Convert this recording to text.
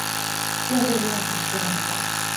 設備量不是那麼大